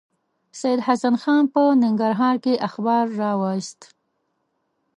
سید حسن خان په ننګرهار کې اخبار راوایست.